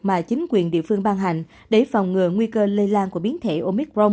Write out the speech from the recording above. mà chính quyền địa phương ban hành để phòng ngừa nguy cơ lây lan của biến thể omicron